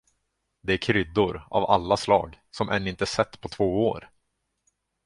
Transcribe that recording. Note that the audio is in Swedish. Det är kryddor, av alla slag, som en inte sett på två år!